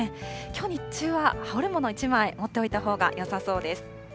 きょう日中は羽織るもの１枚持っておいたほうがよさそうです。